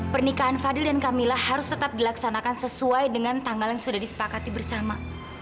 pernikahan fadil dan camilla harus tetap dilaksanakan sesuai dengan tanggal yang sudah disepakati bersama